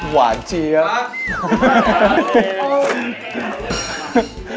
หวานเจี๊ยบ